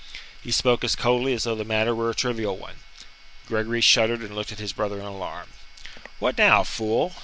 He spoke as coldly as though the matter were a trivial one. Gregory shuddered and looked at his brother in alarm. "What now, fool?"